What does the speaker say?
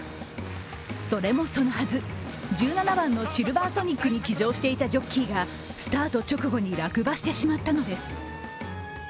それもそのはず、１７番のシルヴァーソニックに騎乗していたジョッキーがスタート直後に落馬してしまったのです。